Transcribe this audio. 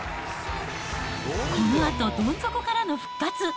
このあと、どん底からの復活。